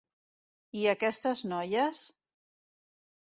-I aquestes noies?…